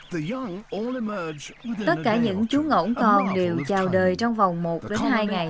tất cả những chú ngỗng con đều chào đời trong vòng một đến hai ngày